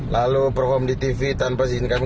lalu perform di tv tanpa se izin kami